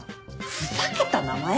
ふざけた名前？